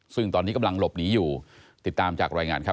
ซึ่งตอนนี้กำลังหลบหนีอยู่ติดตามจากรายงานครับ